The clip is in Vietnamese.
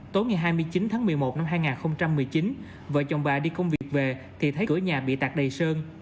tối ngày hai mươi chín tháng một mươi một năm hai nghìn một mươi chín vợ chồng bà đi công việc về thì thấy cửa nhà bị tạt đầy sơn